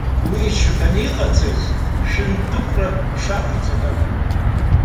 Уи ичаԥаны иҟаҵаз шәындыҟәра шьахәӡак акәын.